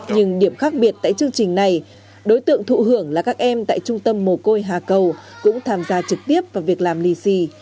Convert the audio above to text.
nhưng điểm khác biệt tại chương trình này đối tượng thụ hưởng là các em tại trung tâm mồ côi hà cầu cũng tham gia trực tiếp vào việc làm lì xì